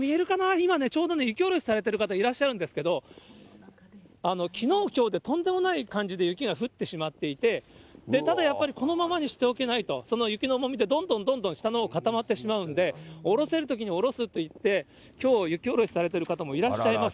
今ね、ちょうど雪下ろしされている方いらっしゃるんですけれども、きのう、きょうでとんでもない感じで雪が降ってしまっていて、ただやっぱり、ここままにしておけないと、その雪の重みでどんどんどんどん下のほう、固まってしまうんで、下ろせるときに下ろすといって、きょう、雪下ろしされてる方もいらっしゃいます。